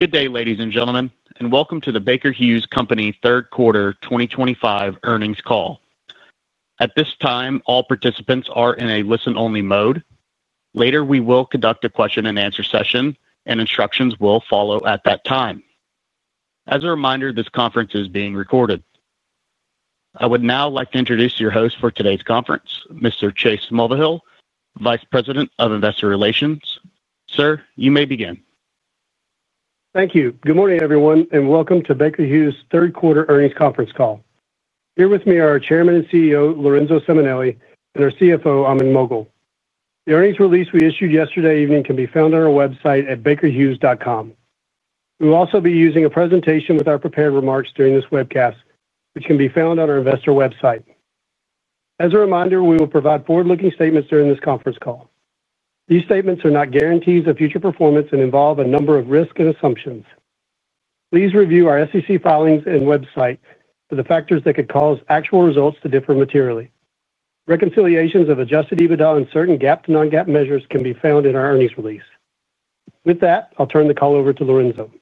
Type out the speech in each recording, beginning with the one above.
Good day, ladies and gentlemen, and welcome to the Baker Hughes Company third quarter 2025 earnings call. At this time, all participants are in a listen-only mode. Later, we will conduct a question and answer session, and instructions will follow at that time. As a reminder, this conference is being recorded. I would now like to introduce your host for today's conference, Mr. Chase Mulvehill, Vice President of Investor Relations. Sir, you may begin. Thank you. Good morning, everyone, and welcome to Baker Hughes Company's third quarter earnings conference call. Here with me are our Chairman and CEO, Lorenzo Simonelli, and our CFO, Ahmed Moghal. The earnings release we issued yesterday evening can be found on our website at bakerhughes.com. We will also be using a presentation with our prepared remarks during this webcast, which can be found on our investor website. As a reminder, we will provide forward-looking statements during this conference call. These statements are not guarantees of future performance and involve a number of risks and assumptions. Please review our SEC filings and website for the factors that could cause actual results to differ materially. Reconciliations of adjusted EBITDA and certain GAAP to non-GAAP measures can be found in our earnings release. With that, I'll turn the call over to Lorenzo.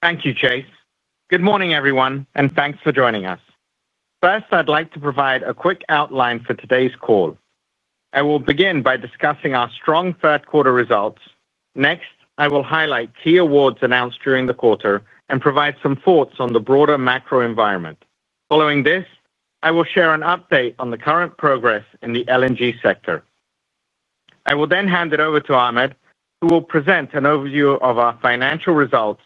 Thank you, Chase. Good morning, everyone, and thanks for joining us. First, I'd like to provide a quick outline for today's call. I will begin by discussing our strong third quarter results. Next, I will highlight key awards announced during the quarter and provide some thoughts on the broader macro environment. Following this, I will share an update on the current progress in the LNG sector. I will then hand it over to Ahmed, who will present an overview of our financial results,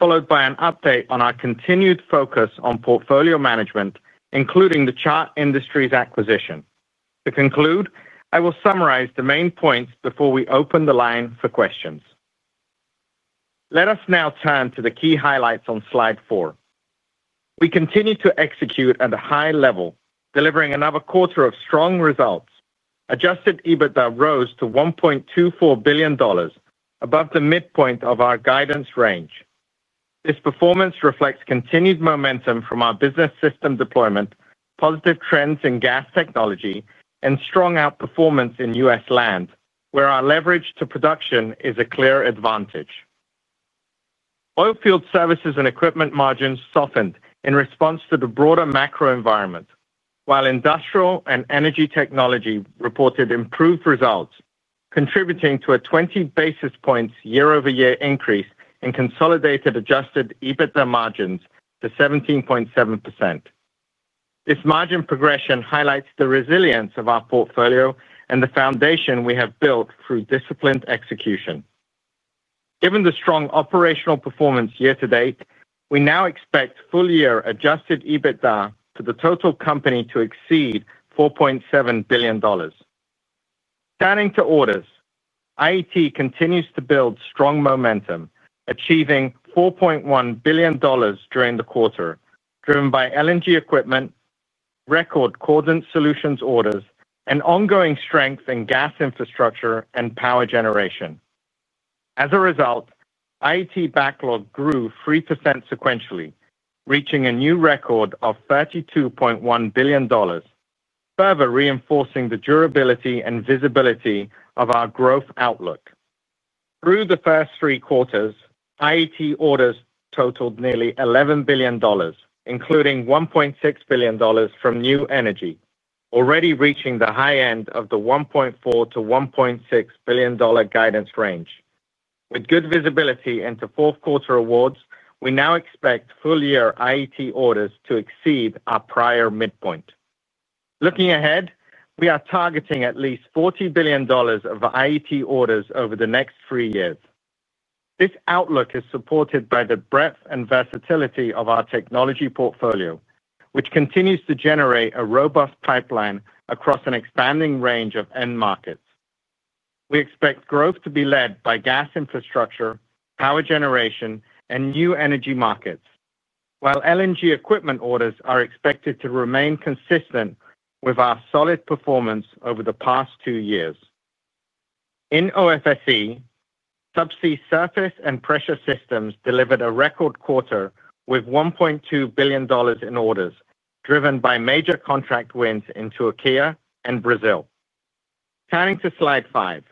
followed by an update on our continued focus on portfolio management, including the Chart Industries acquisition. To conclude, I will summarize the main points before we open the line for questions. Let us now turn to the key highlights on slide four. We continue to execute at a high level, delivering another quarter of strong results. Adjusted EBITDA rose to $1.24 billion, above the midpoint of our guidance range. This performance reflects continued momentum from our business system deployment, positive trends in gas technology, and strong outperformance in U.S. land, where our leverage to production is a clear advantage. Oilfield services and equipment margins softened in response to the broader macro environment, while Industrial & Energy Technology reported improved results, contributing to a 20 basis points year-over-year increase in consolidated adjusted EBITDA margins to 17.7%. This margin progression highlights the resilience of our portfolio and the foundation we have built through disciplined execution. Given the strong operational performance year to date, we now expect full-year adjusted EBITDA for the total company to exceed $4.7 billion. Turning to orders, IET continues to build strong momentum, achieving $4.1 billion during the quarter, driven by LNG equipment, record coordinate solutions orders, and ongoing strength in gas infrastructure and power generation. As a result, IET backlog grew 3% sequentially, reaching a new record of $32.1 billion, further reinforcing the durability and visibility of our growth outlook. Through the first three quarters, IET orders totaled nearly $11 billion, including $1.6 billion from New Energy, already reaching the high end of the $1.4 to $1.6 billion guidance range. With good visibility into fourth quarter awards, we now expect full-year IET orders to exceed our prior midpoint. Looking ahead, we are targeting at least $40 billion of IET orders over the next three years. This outlook is supported by the breadth and versatility of our technology portfolio, which continues to generate a robust pipeline across an expanding range of end markets. We expect growth to be led by gas infrastructure, power generation, and new energy markets, while LNG equipment orders are expected to remain consistent with our solid performance over the past two years. In OFSE, subsea, surface, and pressure systems delivered a record quarter with $1.2 billion in orders, driven by major contract wins in Türkiye and Brazil. Turning to slide five,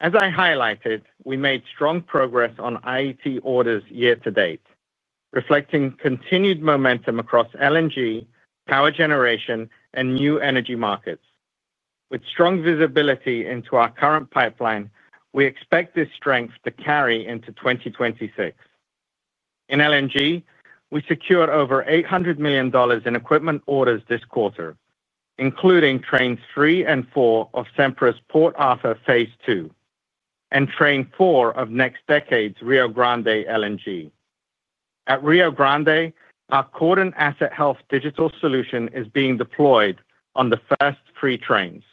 as I highlighted, we made strong progress on IET orders year to date, reflecting continued momentum across LNG, power generation, and new energy markets. With strong visibility into our current pipeline, we expect this strength to carry into 2026. In LNG, we secured over $800 million in equipment orders this quarter, including trains three and four of Sempra's Port Arthur Phase Two and train four of NextDecade's Rio Grande LNG. At Rio Grande, our Quorum Asset Health digital solution is being deployed on the first three trains.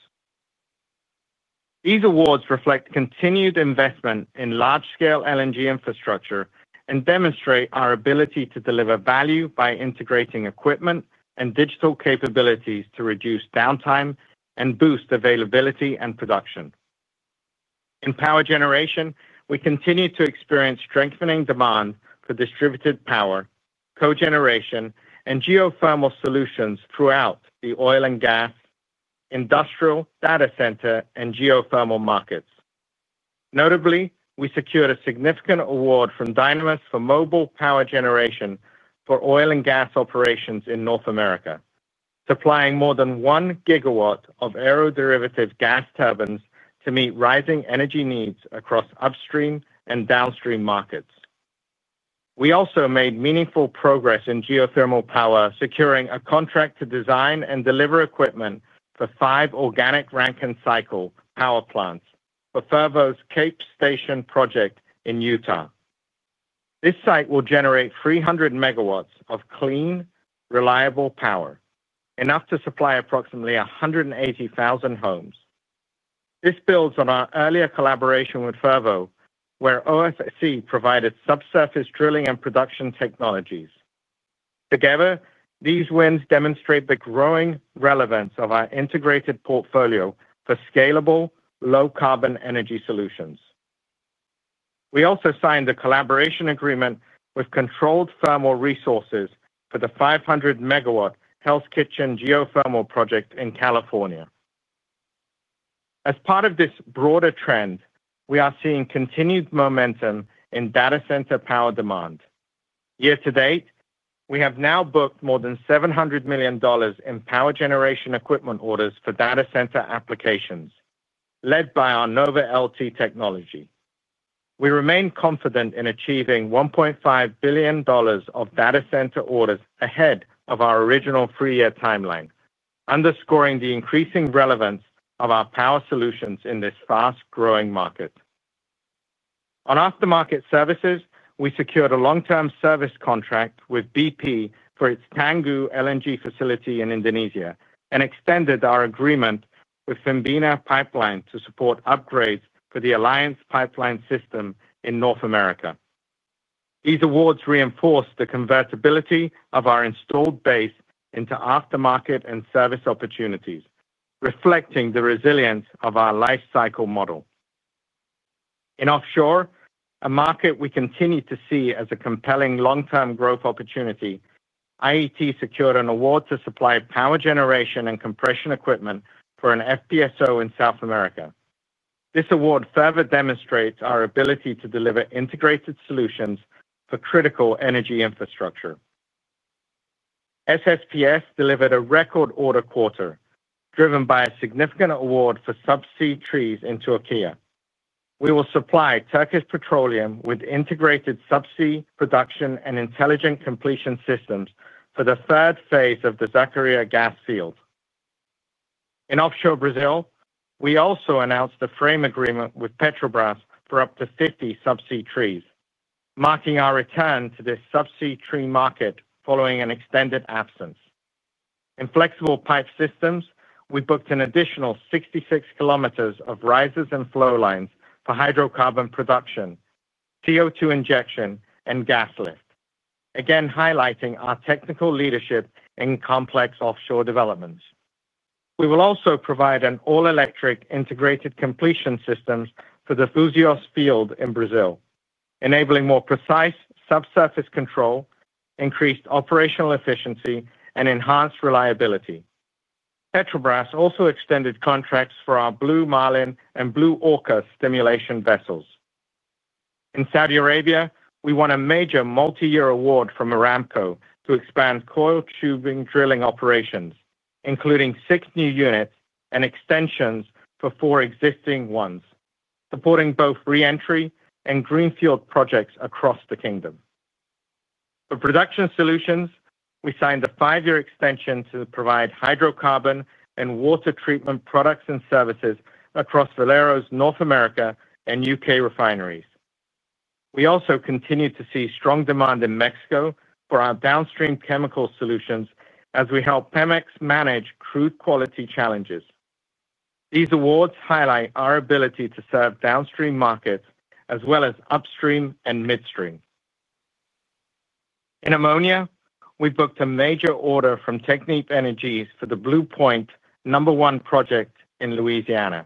These awards reflect continued investment in large-scale LNG infrastructure and demonstrate our ability to deliver value by integrating equipment and digital capabilities to reduce downtime and boost availability and production. In power generation, we continue to experience strengthening demand for distributed power, cogeneration, and geothermal solutions throughout the oil and gas, industrial, data center, and geothermal markets. Notably, we secured a significant award from Dynamos for mobile power generation for oil and gas operations in North America, supplying more than one gigawatt of aeroderivative gas turbines to meet rising energy needs across upstream and downstream markets. We also made meaningful progress in geothermal power, securing a contract to design and deliver equipment for five organic Rankine cycle power plants for Fervo's Cape Station project in Utah. This site will generate 300 megawatts of clean, reliable power, enough to supply approximately 180,000 homes. This builds on our earlier collaboration with Fervo, where OFSE provided subsurface drilling and production technologies. Together, these wins demonstrate the growing relevance of our integrated portfolio for scalable, low-carbon energy solutions. We also signed a collaboration agreement with Controlled Thermal Resources for the 500-megawatt Hell's Kitchen geothermal project in California. As part of this broader trend, we are seeing continued momentum in data center power demand. Year to date, we have now booked more than $700 million in power generation equipment orders for data center applications, led by our Nova LT technology. We remain confident in achieving $1.5 billion of data center orders ahead of our original three-year timeline, underscoring the increasing relevance of our power solutions in this fast-growing market. On aftermarket services, we secured a long-term service contract with BP for its Tangguh LNG facility in Indonesia and extended our agreement with Pembina Pipeline to support upgrades for the Alliance Pipeline system in North America. These awards reinforce the convertibility of our installed base into aftermarket and service opportunities, reflecting the resilience of our lifecycle model. In offshore, a market we continue to see as a compelling long-term growth opportunity, IET secured an award to supply power generation and compression equipment for an FPSO in South America. This award further demonstrates our ability to deliver integrated solutions for critical energy infrastructure. SSPS delivered a record order quarter, driven by a significant award for subsea trees in Türkiye. We will supply Turkish Petroleum with integrated subsea production and intelligent completion systems for the third phase of the Zakaria gas field. In offshore Brazil, we also announced a frame agreement with Petrobras for up to 50 subsea trees, marking our return to this subsea tree market following an extended absence. In flexible pipe systems, we booked an additional 66 kilometers of risers and flow lines for hydrocarbon production, CO2 injection, and gas lift, again highlighting our technical leadership in complex offshore developments. We will also provide an all-electric integrated completion system for the Fusios field in Brazil, enabling more precise subsurface control, increased operational efficiency, and enhanced reliability. Petrobras also extended contracts for our Blue Marlin and Blue Orca stimulation vessels. In Saudi Arabia, we won a major multi-year award from Aramco to expand coil tubing drilling operations, including six new units and extensions for four existing ones, supporting both reentry and greenfield projects across the kingdom. For production solutions, we signed a five-year extension to provide hydrocarbon and water treatment products and services across Valero's North America and UK refineries. We also continue to see strong demand in Mexico for our downstream chemical solutions as we help Pemex manage crude quality challenges. These awards highlight our ability to serve downstream markets as well as upstream and midstream. In ammonia, we booked a major order from Technip Energies for the Blue Point No. 1 project in Louisiana.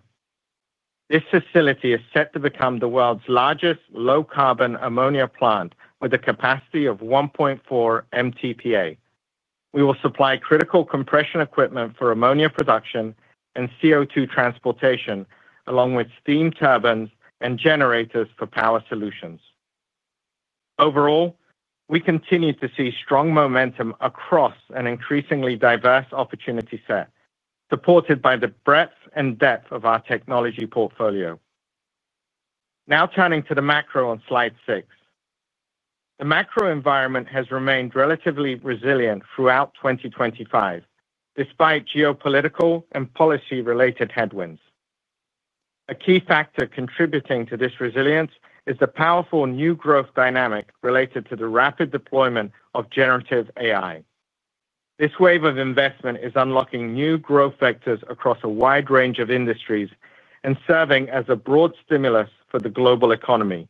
This facility is set to become the world's largest low-carbon ammonia plant with a capacity of 1.4 million MTPA. We will supply critical compression equipment for ammonia production and CO2 transportation, along with steam turbines and generators for power solutions. Overall, we continue to see strong momentum across an increasingly diverse opportunity set, supported by the breadth and depth of our technology portfolio. Now turning to the macro on slide six. The macro environment has remained relatively resilient throughout 2025, despite geopolitical and policy-related headwinds. A key factor contributing to this resilience is the powerful new growth dynamic related to the rapid deployment of generative AI. This wave of investment is unlocking new growth vectors across a wide range of industries and serving as a broad stimulus for the global economy,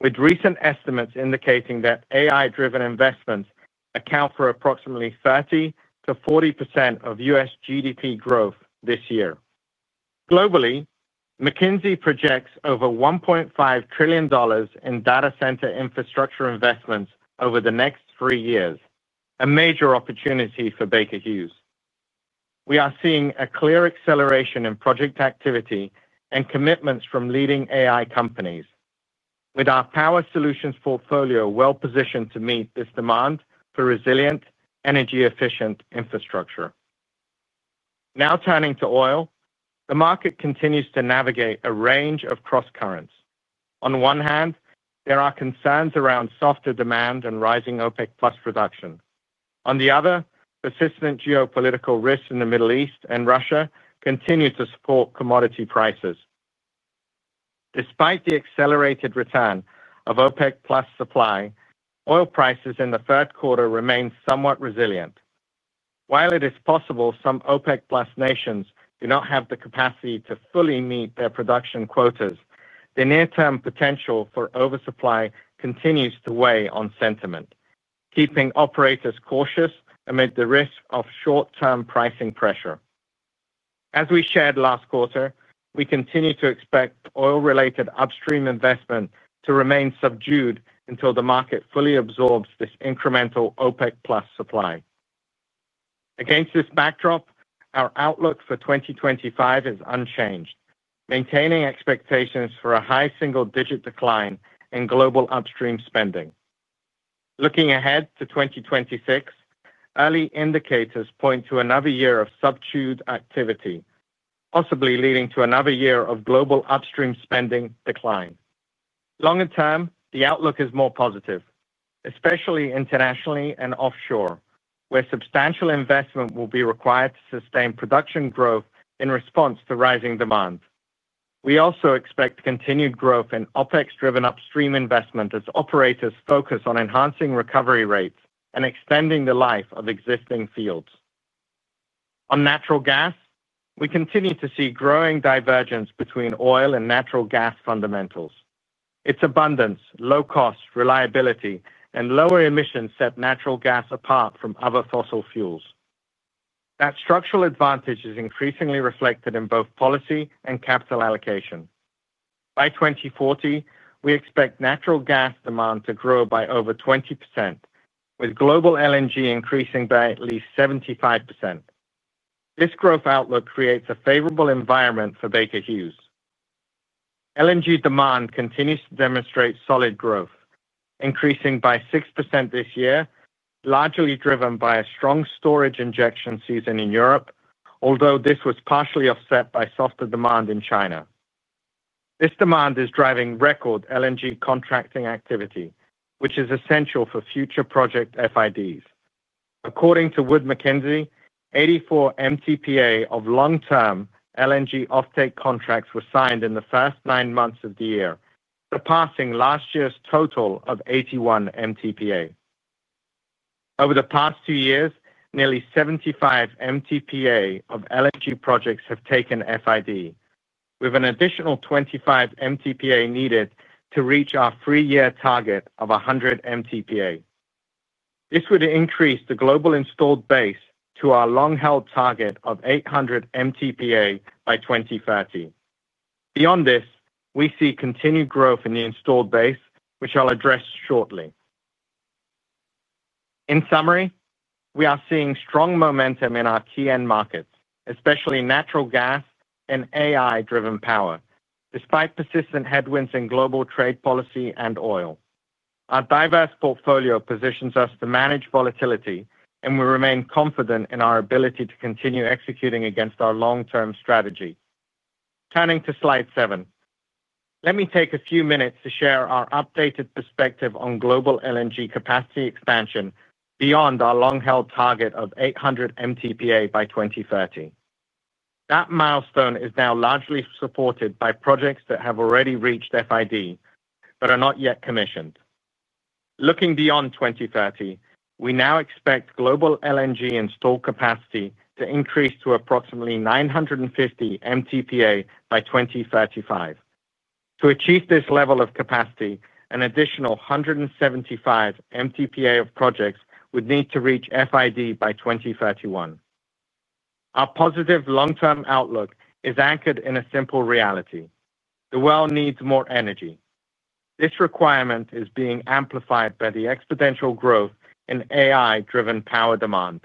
with recent estimates indicating that AI-driven investments account for approximately 30%-40% of U.S. GDP growth this year. Globally, McKinsey projects over $1.5 trillion in data center infrastructure investments over the next three years, a major opportunity for Baker Hughes Company. We are seeing a clear acceleration in project activity and commitments from leading AI companies, with our power solutions portfolio well positioned to meet this demand for resilient, energy-efficient infrastructure. Now turning to oil, the market continues to navigate a range of cross-currents. On one hand, there are concerns around softer demand and rising OPEC+ production. On the other, persistent geopolitical risks in the Middle East and Russia continue to support commodity prices. Despite the accelerated return of OPEC+ supply, oil prices in the third quarter remain somewhat resilient. While it is possible some OPEC+ nations do not have the capacity to fully meet their production quotas, the near-term potential for oversupply continues to weigh on sentiment, keeping operators cautious amid the risk of short-term pricing pressure. As we shared last quarter, we continue to expect oil-related upstream investment to remain subdued until the market fully absorbs this incremental OPEC+ supply. Against this backdrop, our outlook for 2025 is unchanged, maintaining expectations for a high single-digit decline in global upstream spending. Looking ahead to 2026, early indicators point to another year of subdued activity, possibly leading to another year of global upstream spending decline. Longer term, the outlook is more positive, especially internationally and offshore, where substantial investment will be required to sustain production growth in response to rising demand. We also expect continued growth in OPEX-driven upstream investment as operators focus on enhancing recovery rates and extending the life of existing fields. On natural gas, we continue to see growing divergence between oil and natural gas fundamentals. Its abundance, low cost, reliability, and lower emissions set natural gas apart from other fossil fuels. That structural advantage is increasingly reflected in both policy and capital allocation. By 2040, we expect natural gas demand to grow by over 20%, with global LNG increasing by at least 75%. This growth outlook creates a favorable environment for Baker Hughes Company. LNG demand continues to demonstrate solid growth, increasing by 6% this year, largely driven by a strong storage injection season in Europe, although this was partially offset by softer demand in China. This demand is driving record LNG contracting activity, which is essential for future project FIDs. According to Wood Mackenzie, 84 MTPA of long-term LNG offtake contracts were signed in the first nine months of the year, surpassing last year's total of 81 MTPA. Over the past two years, nearly 75 MTPA of LNG projects have taken FID, with an additional 25 MTPA needed to reach our three-year target of 100 MTPA. This would increase the global installed base to our long-held target of 800 MTPA by 2030. Beyond this, we see continued growth in the installed base, which I'll address shortly. In summary, we are seeing strong momentum in our key end markets, especially natural gas and AI-driven power, despite persistent headwinds in global trade policy and oil. Our diverse portfolio positions us to manage volatility, and we remain confident in our ability to continue executing against our long-term strategy. Turning to slide seven, let me take a few minutes to share our updated perspective on global LNG capacity expansion beyond our long-held target of 800 MTPA by 2030. That milestone is now largely supported by projects that have already reached FID but are not yet commissioned. Looking beyond 2030, we now expect global LNG installed capacity to increase to approximately 950 MTPA by 2035. To achieve this level of capacity, an additional 175 MTPA of projects would need to reach FID by 2031. Our positive long-term outlook is anchored in a simple reality: the world needs more energy. This requirement is being amplified by the exponential growth in AI-driven power demand.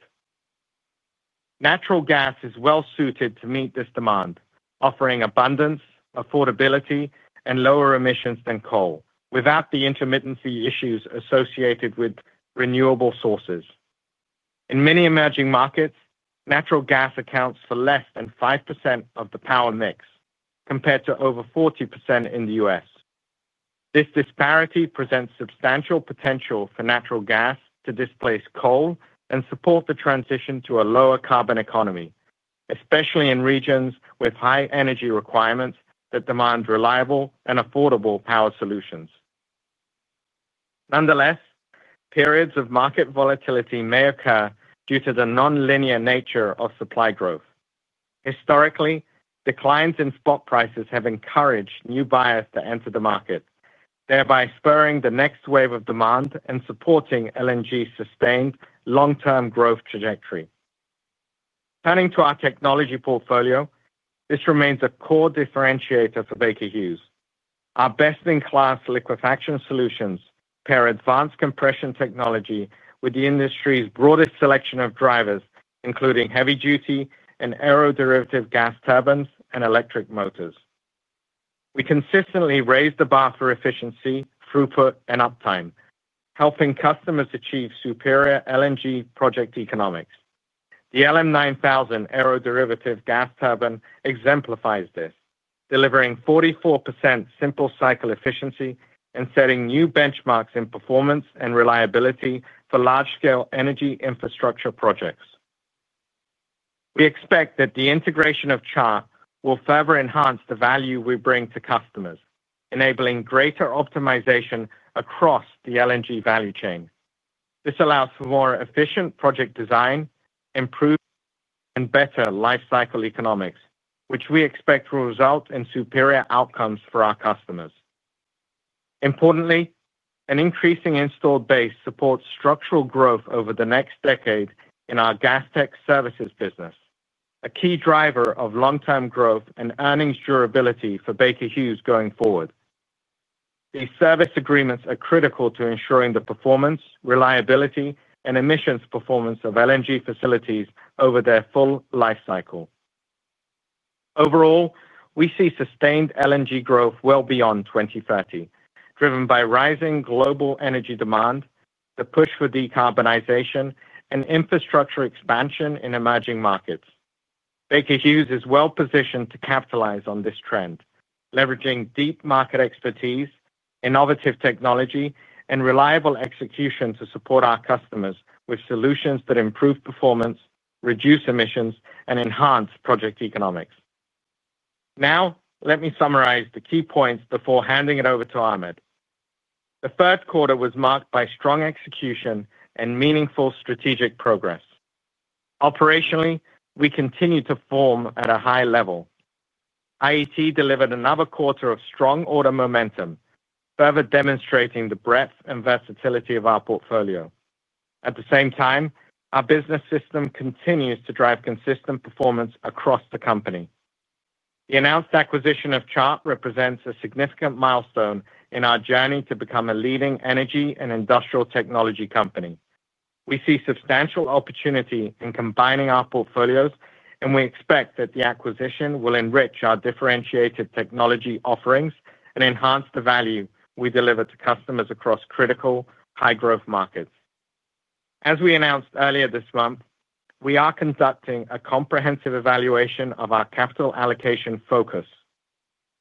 Natural gas is well suited to meet this demand, offering abundance, affordability, and lower emissions than coal, without the intermittency issues associated with renewable sources. In many emerging markets, natural gas accounts for less than 5% of the power mix, compared to over 40% in the U.S. This disparity presents substantial potential for natural gas to displace coal and support the transition to a lower carbon economy, especially in regions with high energy requirements that demand reliable and affordable power solutions. Nonetheless, periods of market volatility may occur due to the nonlinear nature of supply growth. Historically, declines in spot prices have encouraged new buyers to enter the market, thereby spurring the next wave of demand and supporting LNG's sustained long-term growth trajectory. Turning to our technology portfolio, this remains a core differentiator for Baker Hughes Company. Our best-in-class liquefaction solutions pair advanced compression technology with the industry's broadest selection of drivers, including heavy-duty and aeroderivative gas turbines and electric motors. We consistently raise the bar for efficiency, throughput, and uptime, helping customers achieve superior LNG project economics. The LM9000 aeroderivative gas turbine exemplifies this, delivering 44% simple cycle efficiency and setting new benchmarks in performance and reliability for large-scale energy infrastructure projects. We expect that the integration of Chart Industries will further enhance the value we bring to customers, enabling greater optimization across the LNG value chain. This allows for more efficient project design, improved and better lifecycle economics, which we expect will result in superior outcomes for our customers. Importantly, an increasing installed base supports structural growth over the next decade in our gas tech services business, a key driver of long-term growth and earnings durability for Baker Hughes Company going forward. These service agreements are critical to ensuring the performance, reliability, and emissions performance of LNG facilities over their full lifecycle. Overall, we see sustained LNG growth well beyond 2030, driven by rising global energy demand, the push for decarbonization, and infrastructure expansion in emerging markets. Baker Hughes Company is well positioned to capitalize on this trend, leveraging deep market expertise, innovative technology, and reliable execution to support our customers with solutions that improve performance, reduce emissions, and enhance project economics. Now, let me summarize the key points before handing it over to Ahmed. The third quarter was marked by strong execution and meaningful strategic progress. Operationally, we continue to perform at a high level. IET delivered another quarter of strong order momentum, further demonstrating the breadth and versatility of our portfolio. At the same time, our business system continues to drive consistent performance across the company. The announced acquisition of Chart Industries represents a significant milestone in our journey to become a leading energy and industrial technology company. We see substantial opportunity in combining our portfolios, and we expect that the acquisition will enrich our differentiated technology offerings and enhance the value we deliver to customers across critical, high-growth markets. As we announced earlier this month, we are conducting a comprehensive evaluation of our capital allocation focus,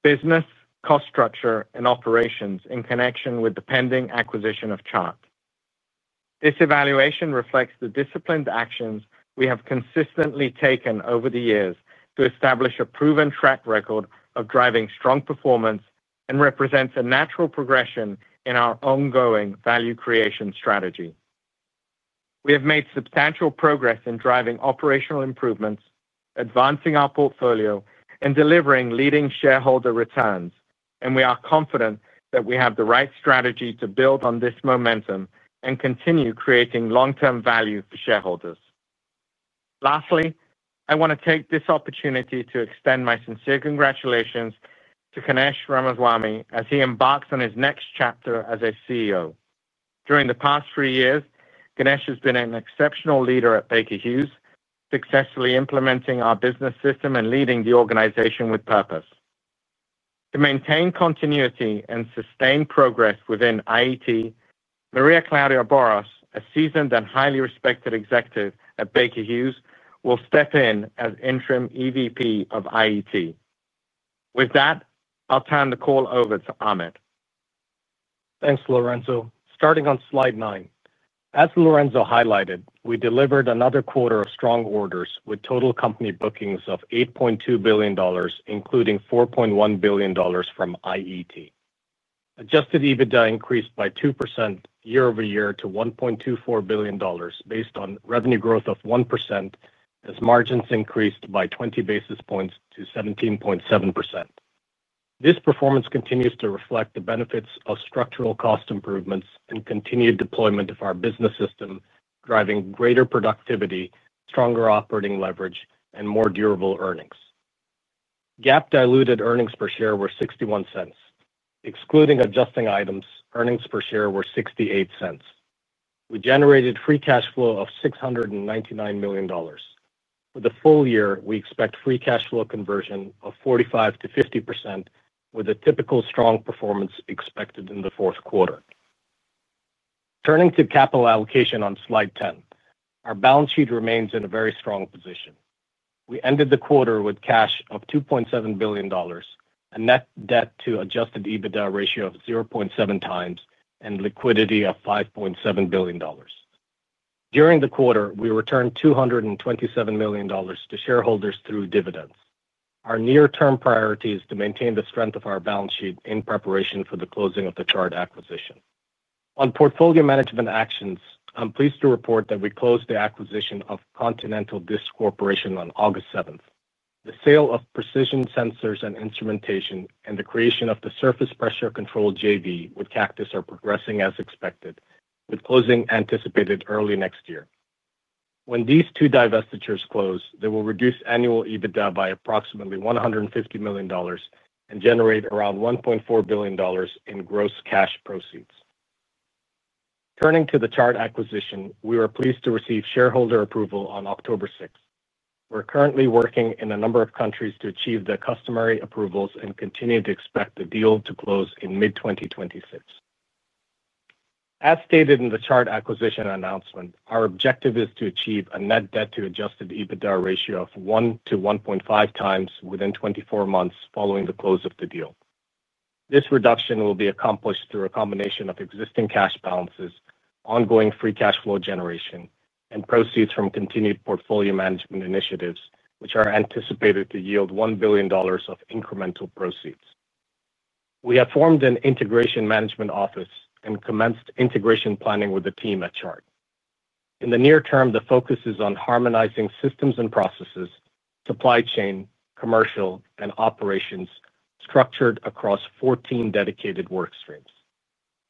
business, cost structure, and operations in connection with the pending acquisition of Chart Industries. This evaluation reflects the disciplined actions we have consistently taken over the years to establish a proven track record of driving strong performance and represents a natural progression in our ongoing value creation strategy. We have made substantial progress in driving operational improvements, advancing our portfolio, and delivering leading shareholder returns, and we are confident that we have the right strategy to build on this momentum and continue creating long-term value for shareholders. Lastly, I want to take this opportunity to extend my sincere congratulations to Ganesh Ramaswamy as he embarks on his next chapter as a CEO. During the past three years, Ganesh has been an exceptional leader at Baker Hughes Company, successfully implementing our business system and leading the organization with purpose. To maintain continuity and sustain progress within IET, Maria Claudia Boras, a seasoned and highly respected executive at Baker Hughes Company, will step in as Interim EVP of IET. With that, I'll turn the call over to Ahmed. Thanks, Lorenzo. Starting on slide nine, as Lorenzo highlighted, we delivered another quarter of strong orders with total company bookings of $8.2 billion, including $4.1 billion from IET. Adjusted EBITDA increased by 2% year over year to $1.24 billion, based on revenue growth of 1%, as margins increased by 20 basis points to 17.7%. This performance continues to reflect the benefits of structural cost improvements and continued deployment of our business system, driving greater productivity, stronger operating leverage, and more durable earnings. GAAP diluted earnings per share were $0.61. Excluding adjusting items, earnings per share were $0.68. We generated free cash flow of $699 million. For the full year, we expect free cash flow conversion of 45%-50%, with a typical strong performance expected in the fourth quarter. Turning to capital allocation on slide 10, our balance sheet remains in a very strong position. We ended the quarter with cash of $2.7 billion, a net debt to adjusted EBITDA ratio of 0.7 times, and liquidity of $5.7 billion. During the quarter, we returned $227 million to shareholders through dividends. Our near-term priority is to maintain the strength of our balance sheet in preparation for the closing of the Chart Industries acquisition. On portfolio management actions, I'm pleased to report that we closed the acquisition of Continental Disc Corporation on August 7. The sale of Precision Sensors and Instrumentation and the creation of the Surface Pressure Control JV with Cactus are progressing as expected, with closing anticipated early next year. When these two divestitures close, they will reduce annual EBITDA by approximately $150 million and generate around $1.4 billion in gross cash proceeds. Turning to the Chart Industries acquisition, we were pleased to receive shareholder approval on October 6. We're currently working in a number of countries to achieve the customary approvals and continue to expect the deal to close in mid-2026. As stated in the Chart Industries acquisition announcement, our objective is to achieve a net debt to adjusted EBITDA ratio of 1 to 1.5 times within 24 months following the close of the deal. This reduction will be accomplished through a combination of existing cash balances, ongoing free cash flow generation, and proceeds from continued portfolio management initiatives, which are anticipated to yield $1 billion of incremental proceeds. We have formed an integration management office and commenced integration planning with the team at Chart. In the near term, the focus is on harmonizing systems and processes, supply chain, commercial, and operations, structured across 14 dedicated work streams.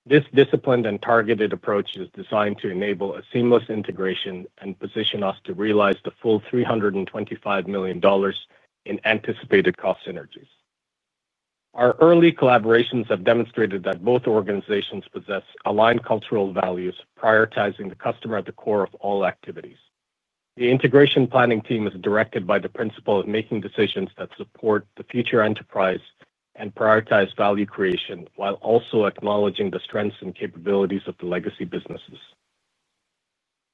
This disciplined and targeted approach is designed to enable a seamless integration and position us to realize the full $325 million in anticipated cost synergies. Our early collaborations have demonstrated that both organizations possess aligned cultural values, prioritizing the customer at the core of all activities. The integration planning team is directed by the principle of making decisions that support the future enterprise and prioritize value creation while also acknowledging the strengths and capabilities of the legacy businesses.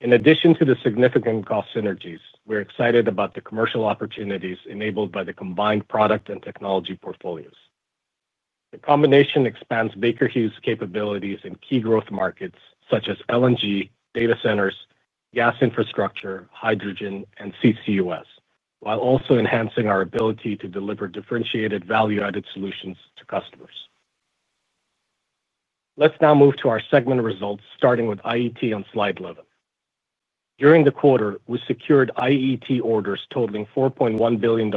In addition to the significant cost synergies, we're excited about the commercial opportunities enabled by the combined product and technology portfolios. The combination expands Baker Hughes Company's capabilities in key growth markets such as LNG, data centers, gas infrastructure, hydrogen, and CCUS, while also enhancing our ability to deliver differentiated value-added solutions to customers. Let's now move to our segment results, starting with IET on slide 11. During the quarter, we secured IET orders totaling $4.1 billion,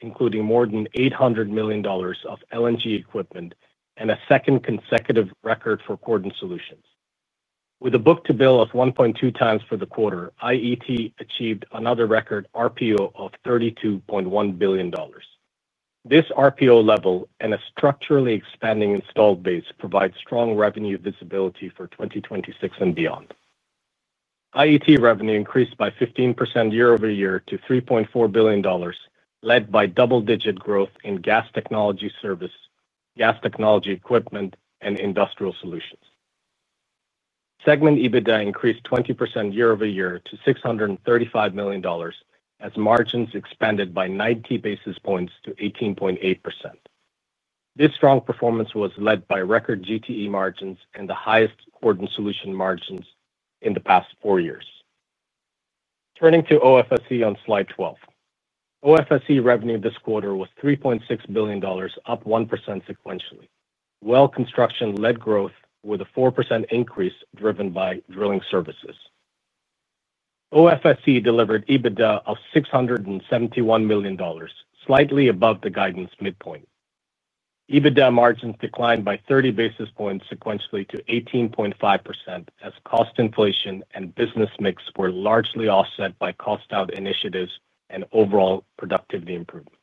including more than $800 million of LNG equipment and a second consecutive record for Quorum Solutions. With a book-to-bill of 1.2 times for the quarter, IET achieved another record RPO of $32.1 billion. This RPO level and a structurally expanding installed base provide strong revenue visibility for 2026 and beyond. IET revenue increased by 15% year over year to $3.4 billion, led by double-digit growth in gas technology service, gas technology equipment, and industrial solutions. Segment EBITDA increased 20% year over year to $635 million, as margins expanded by 90 basis points to 18.8%. This strong performance was led by record GTE margins and the highest Quorum Solutions margins in the past four years. Turning to OFSE on slide 12. OFSE revenue this quarter was $3.6 billion, up 1% sequentially, while construction led growth with a 4% increase driven by drilling services. OFSE delivered EBITDA of $671 million, slightly above the guidance midpoint. EBITDA margins declined by 30 basis points sequentially to 18.5%, as cost inflation and business mix were largely offset by cost-out initiatives and overall productivity improvements.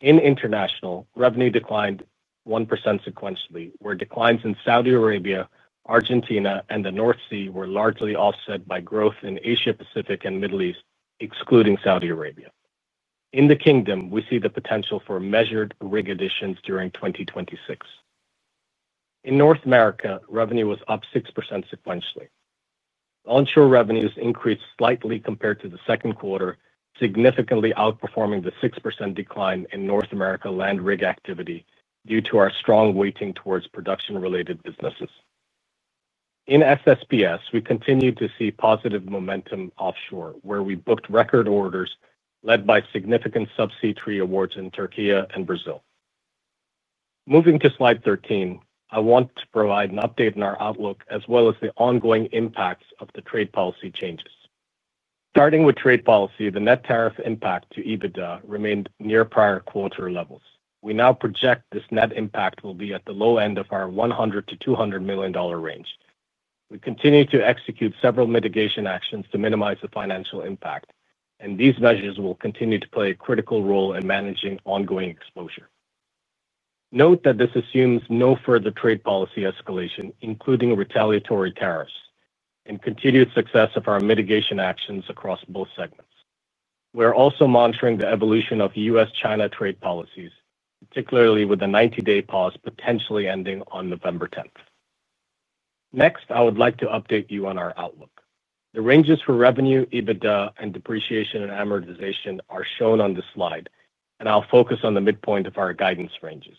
In international, revenue declined 1% sequentially, where declines in Saudi Arabia, Argentina, and the North Sea were largely offset by growth in Asia-Pacific and Middle East, excluding Saudi Arabia. In the Kingdom, we see the potential for measured rig additions during 2026. In North America, revenue was up 6% sequentially. Onshore revenues increased slightly compared to the second quarter, significantly outperforming the 6% decline in North America land rig activity due to our strong weighting towards production-related businesses. In SSPS, we continue to see positive momentum offshore, where we booked record orders led by significant subsea tree awards in Türkiye and Brazil. Moving to slide 13, I want to provide an update on our outlook as well as the ongoing impacts of the trade policy changes. Starting with trade policy, the net tariff impact to EBITDA remained near prior quarter levels. We now project this net impact will be at the low end of our $100 to $200 million range. We continue to execute several mitigation actions to minimize the financial impact, and these measures will continue to play a critical role in managing ongoing exposure. Note that this assumes no further trade policy escalation, including retaliatory tariffs, and continued success of our mitigation actions across both segments. We are also monitoring the evolution of U.S.-China trade policies, particularly with a 90-day pause potentially ending on November 10th. Next, I would like to update you on our outlook. The ranges for revenue, EBITDA, and depreciation and amortization are shown on this slide, and I'll focus on the midpoint of our guidance ranges.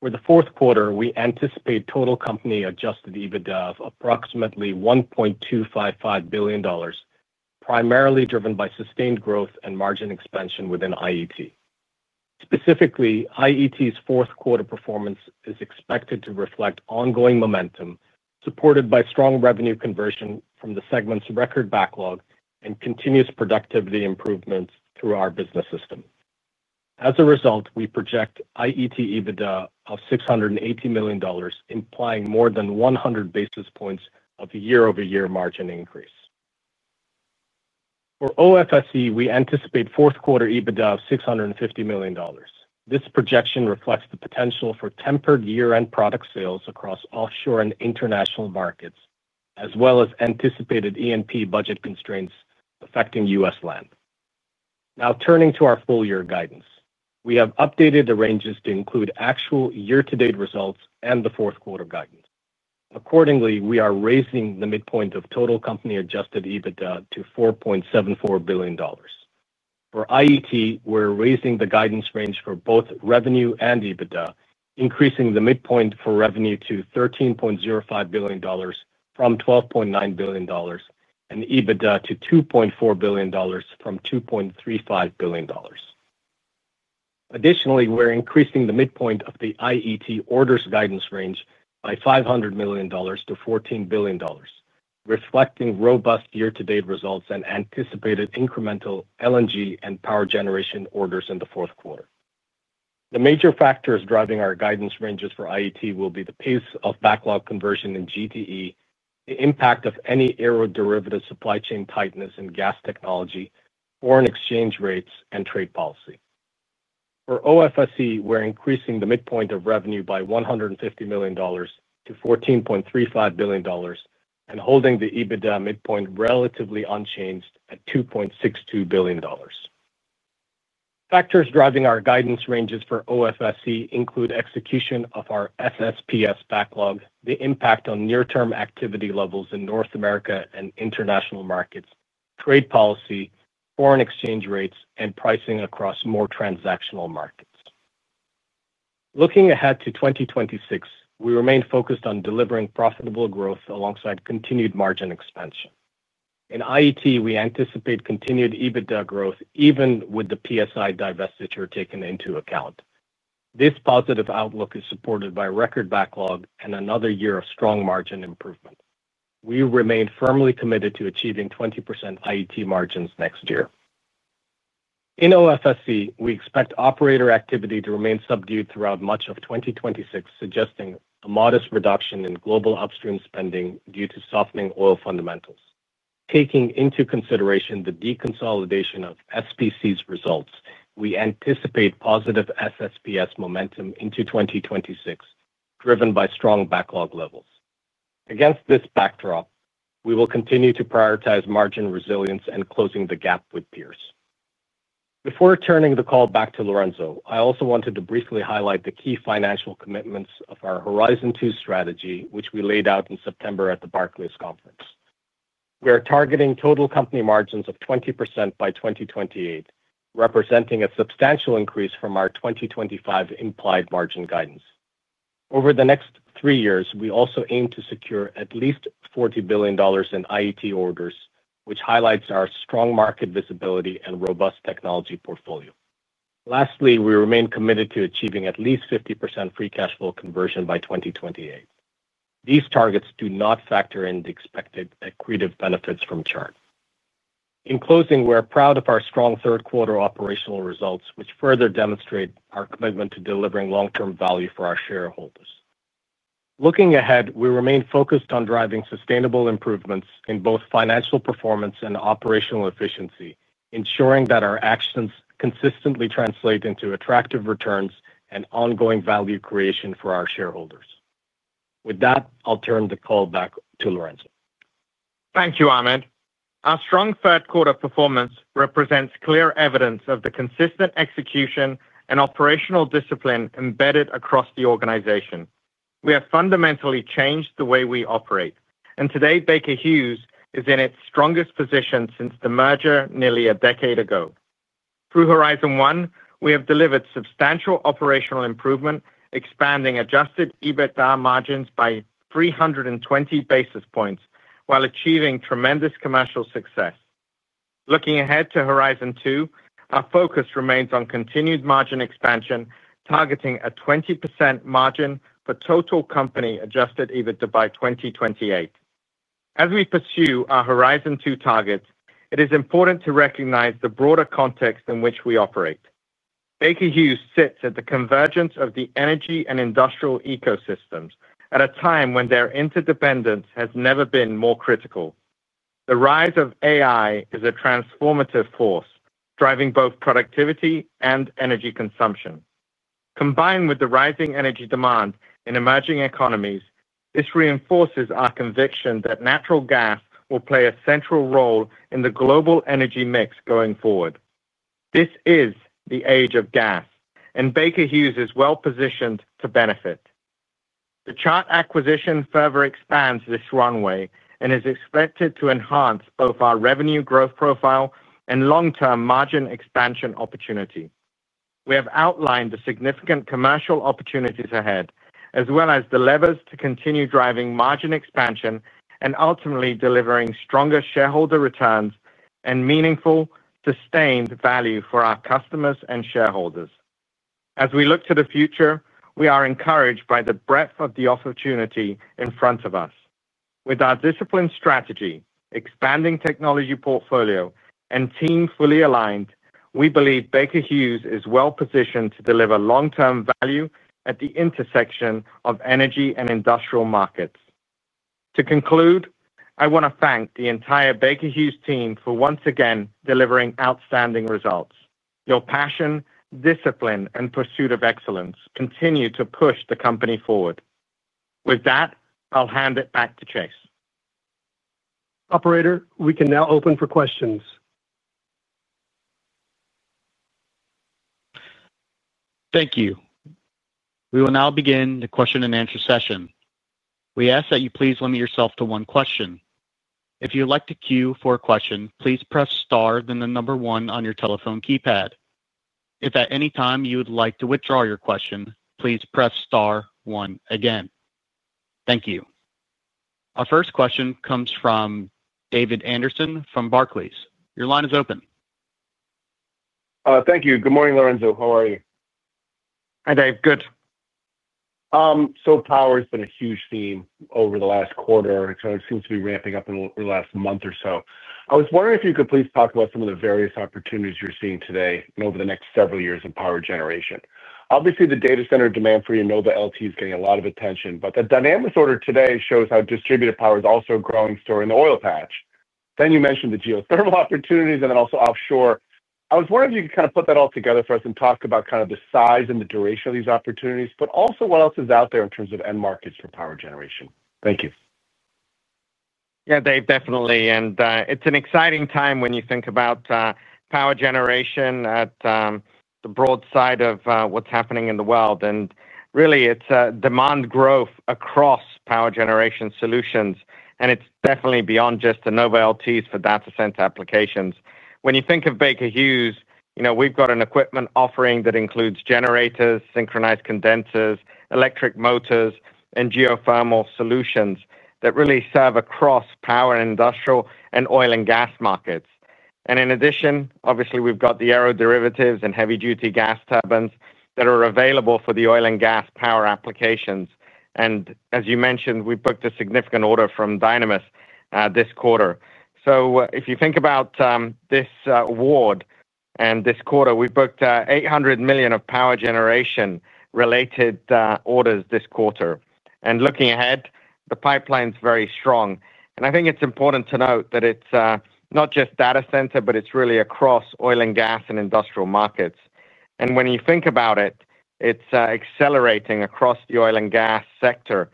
For the fourth quarter, we anticipate total company adjusted EBITDA of approximately $1.255 billion, primarily driven by sustained growth and margin expansion within IET. Specifically, IET's fourth quarter performance is expected to reflect ongoing momentum, supported by strong revenue conversion from the segment's record backlog and continuous productivity improvements through our business system. As a result, we project IET EBITDA of $680 million, implying more than 100 basis points of year-over-year margin increase. For OFSE, we anticipate fourth quarter EBITDA of $650 million. This projection reflects the potential for tempered year-end product sales across offshore and international markets, as well as anticipated E&P budget constraints affecting U.S. land. Now turning to our full-year guidance, we have updated the ranges to include actual year-to-date results and the fourth quarter guidance. Accordingly, we are raising the midpoint of total company adjusted EBITDA to $4.74 billion. For IET, we're raising the guidance range for both revenue and EBITDA and increasing the midpoint for revenue to $13.05 billion from $12.9 billion and EBITDA to $2.4 billion from $2.35 billion. Additionally, we're increasing the midpoint of the IET orders guidance range by $500 million-$14 billion, reflecting robust year-to-date results and anticipated incremental LNG and power generation orders in the fourth quarter. The major factors driving our guidance ranges for IET will be the pace of backlog conversion in GTE, the impact of any aeroderivative supply chain tightness in gas technology, foreign exchange rates, and trade policy. For OFSE, we're increasing the midpoint of revenue by $150 million-$14.35 billion and holding the EBITDA midpoint relatively unchanged at $2.62 billion. Factors driving our guidance ranges for OFSE include execution of our SSPS backlog, the impact on near-term activity levels in North America and international markets, trade policy, foreign exchange rates, and pricing across more transactional markets. Looking ahead to 2026, we remain focused on delivering profitable growth alongside continued margin expansion. In IET, we anticipate continued EBITDA growth even with the PSI divestiture taken into account. This positive outlook is supported by a record backlog and another year of strong margin improvement. We remain firmly committed to achieving 20% IET margins next year. In OFSE, we expect operator activity to remain subdued throughout much of 2026, suggesting a modest reduction in global upstream spending due to softening oil fundamentals. Taking into consideration the deconsolidation of SPC's results, we anticipate positive SSPS momentum into 2026, driven by strong backlog levels. Against this backdrop, we will continue to prioritize margin resilience and closing the gap with peers. Before turning the call back to Lorenzo, I also wanted to briefly highlight the key financial commitments of our Horizon 2 strategy, which we laid out in September at the Barclays Conference. We are targeting total company margins of 20% by 2028, representing a substantial increase from our 2025 implied margin guidance. Over the next three years, we also aim to secure at least $40 billion in IET orders, which highlights our strong market visibility and robust technology portfolio. Lastly, we remain committed to achieving at least 50% free cash flow conversion by 2028. These targets do not factor in the expected accretive benefits from Chart. In closing, we're proud of our strong third-quarter operational results, which further demonstrate our commitment to delivering long-term value for our shareholders. Looking ahead, we remain focused on driving sustainable improvements in both financial performance and operational efficiency, ensuring that our actions consistently translate into attractive returns and ongoing value creation for our shareholders. With that, I'll turn the call back to Lorenzo. Thank you, Ahmed. Our strong third-quarter performance represents clear evidence of the consistent execution and operational discipline embedded across the organization. We have fundamentally changed the way we operate, and today, Baker Hughes is in its strongest position since the merger nearly a decade ago. Through Horizon 1, we have delivered substantial operational improvement, expanding adjusted EBITDA margins by 320 basis points while achieving tremendous commercial success. Looking ahead to Horizon 2, our focus remains on continued margin expansion, targeting a 20% margin for total company adjusted EBITDA by 2028. As we pursue our Horizon 2 targets, it is important to recognize the broader context in which we operate. Baker Hughes sits at the convergence of the energy and industrial ecosystems at a time when their interdependence has never been more critical. The rise of AI is a transformative force, driving both productivity and energy consumption. Combined with the rising energy demand in emerging economies, this reinforces our conviction that natural gas will play a central role in the global energy mix going forward. This is the age of gas, and Baker Hughes is well positioned to benefit. The Chart acquisition further expands this runway and is expected to enhance both our revenue growth profile and long-term margin expansion opportunity. We have outlined the significant commercial opportunities ahead, as well as the levers to continue driving margin expansion and ultimately delivering stronger shareholder returns and meaningful, sustained value for our customers and shareholders. As we look to the future, we are encouraged by the breadth of the opportunity in front of us. With our disciplined strategy, expanding technology portfolio, and team fully aligned, we believe Baker Hughes is well positioned to deliver long-term value at the intersection of energy and industrial markets. To conclude, I want to thank the entire Baker Hughes team for once again delivering outstanding results. Your passion, discipline, and pursuit of excellence continue to push the company forward. With that, I'll hand it back to Chase. Operator, we can now open for questions. Thank you. We will now begin the question and answer session. We ask that you please limit yourself to one question. If you would like to queue for a question, please press star, then the number one on your telephone keypad. If at any time you would like to withdraw your question, please press star one again. Thank you. Our first question comes from David Anderson from Barclays. Your line is open. Thank you. Good morning, Lorenzo. How are you? Hi, Dave. Good. Power has been a huge theme over the last quarter. It seems to be ramping up in the last month or so. I was wondering if you could please talk about some of the various opportunities you're seeing today and over the next several years in power generation. Obviously, the data center demand for your Nova LT is getting a lot of attention, but the Dynamos order today shows how distributed power is also a growing story in the oil patch. You mentioned the geothermal opportunities and also offshore. I was wondering if you could kind of put that all together for us and talk about the size and the duration of these opportunities, but also what else is out there in terms of end markets for power generation. Thank you. Yeah, Dave, definitely. It's an exciting time when you think about power generation at the broad side of what's happening in the world. It's demand growth across power generation solutions, and it's definitely beyond just the Nova LT turbine technology for data center applications. When you think of Baker Hughes, we've got an equipment offering that includes generators, synchronous condensers, electric motors, and geothermal solutions that really serve across power and industrial and oil and gas markets. In addition, obviously, we've got the aeroderivatives and heavy-duty gas turbines that are available for the oil and gas power applications. As you mentioned, we booked a significant order from Dynamos this quarter. If you think about this award and this quarter, we booked $800 million of power generation-related orders this quarter. Looking ahead, the pipeline is very strong. I think it's important to note that it's not just data center, but it's really across oil and gas and industrial markets. When you think about it, it's accelerating across the oil and gas sector.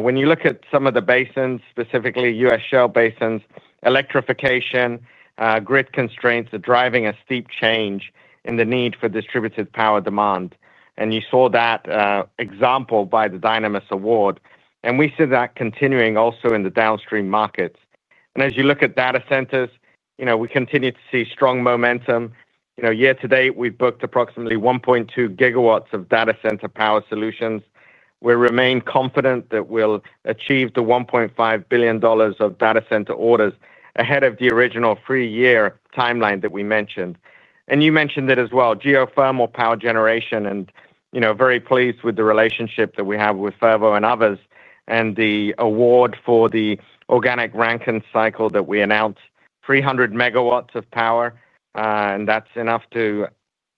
When you look at some of the basins, specifically U.S. shale basins, electrification grid constraints are driving a steep change in the need for distributed power demand. You saw that example by the Dynamos award. We see that continuing also in the downstream markets. As you look at data centers, we continue to see strong momentum. Year to date, we've booked approximately 1.2 gigawatts of data center power solutions. We remain confident that we'll achieve the $1.5 billion of data center orders ahead of the original three-year timeline that we mentioned. You mentioned it as well, geothermal power generation, and very pleased with the relationship that we have with Fervo and others. The award for the organic Rankine cycle that we announced, 300 megawatts of power, and that's enough to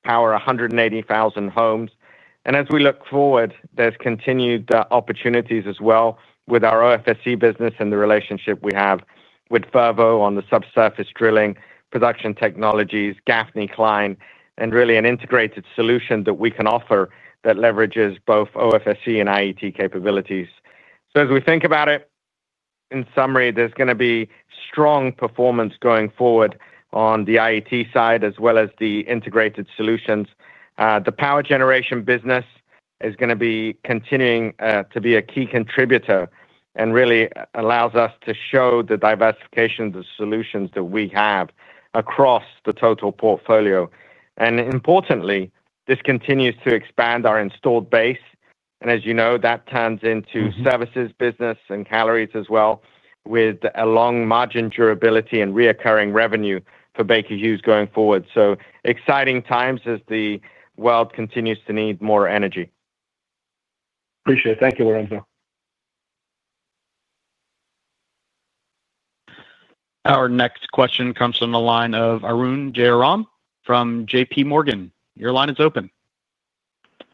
power 180,000 homes. As we look forward, there's continued opportunities as well with our OFSE business and the relationship we have with Fervo on the subsurface drilling, production technologies, Gaffney Klein, and really an integrated solution that we can offer that leverages both OFSE and IET capabilities. As we think about it, in summary, there's going to be strong performance going forward on the IET side as well as the integrated solutions. The power generation business is going to be continuing to be a key contributor and really allows us to show the diversification of solutions that we have across the total portfolio. Importantly, this continues to expand our installed base. As you know, that turns into services business and calories as well, with a long margin durability and recurring revenue for Baker Hughes going forward. Exciting times as the world continues to need more energy. Appreciate it. Thank you, Lorenzo. Our next question comes from the line of Arun Jayaram from JPMorgan. Your line is open.